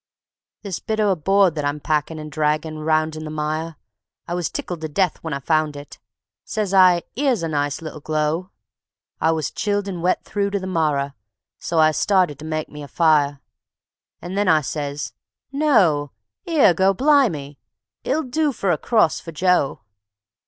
This bit o' a board that I'm packin' and draggin' around in the mire, I was tickled to death when I found it. Says I, "'Ere's a nice little glow." I was chilled and wet through to the marrer, so I started to make me a fire; And then I says: "No; 'ere, Goblimy, it'll do for a cross for Joe."